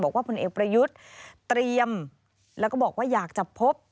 พลเอกประยุทธ์เตรียมแล้วก็บอกว่าอยากจะพบ